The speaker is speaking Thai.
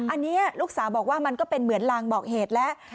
อันนี้ลูกสาวบอกว่ามันก็เป็นเหมือนลางบอกเหตุแล้ว